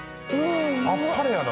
あっぱれやな。